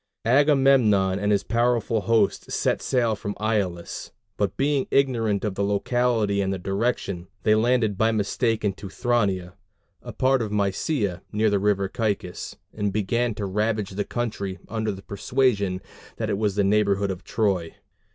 Agamemnon and his powerful host set sail from Aulis; but being ignorant of the locality and the direction, they landed by mistake in Teuthrania, a part of Mysia near the river Caicus, and began to ravage the country under the persuasion that it was the neighborhood of Troy.